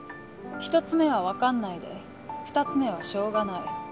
１つ目は「分かんない」で２つ目は「しょうがない」